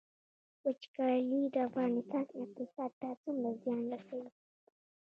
وچکالي د افغانستان اقتصاد ته څومره زیان رسوي؟